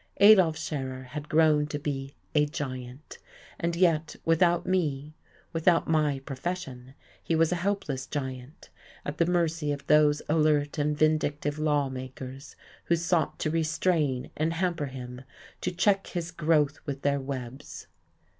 Adolf Scherer had grown to be a giant. And yet without me, without my profession he was a helpless giant, at the mercy of those alert and vindictive lawmakers who sought to restrain and hamper him, to check his growth with their webs.